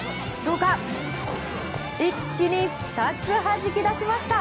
一気に２つはじき出しました！